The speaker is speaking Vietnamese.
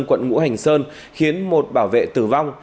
quận ngũ hành sơn khiến một bảo vệ tử vong